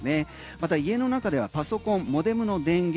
また家の中ではパソコンモデムの電源